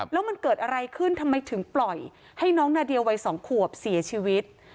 แล้วมันเกิดอะไรขึ้นทำไมถึงปล่อยให้น้องนาเดียวัย๒ขวบเสียชีวิต